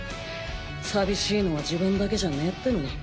寂しいのは自分だけじゃねえってのに。